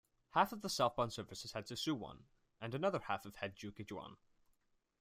Half of the southbound services head to Suwon, and another half head Jukjeon.